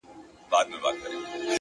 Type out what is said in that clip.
فکرونه د عملونو سرچینه ده،